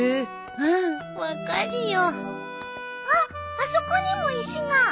あそこにも石が。